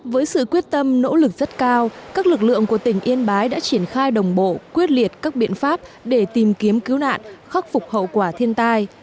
với sự quyết tâm nỗ lực rất cao các lực lượng của tỉnh yên bái đã triển khai đồng bộ quyết liệt các biện pháp để tìm kiếm cứu nạn khắc phục hậu quả thiên tai